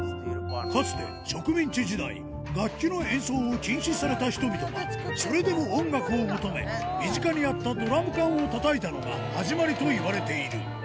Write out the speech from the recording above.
かつて、植民地時代、楽器の演奏を禁止された人々が、それでも音楽を求め、身近にあったドラム缶をたたいたのが、始まりといわれている。